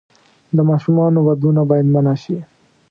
د ماشومانو ودونه باید منع شي.